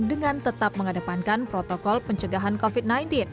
dengan tetap mengedepankan protokol pencegahan covid sembilan belas